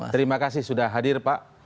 terima kasih sudah hadir pak